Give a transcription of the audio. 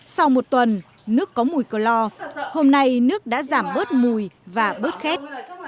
sau một tuần nước có mùi cơ lo hôm nay nước đã giảm bớt mùi và bớt khép